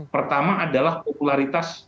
pertama adalah popularitas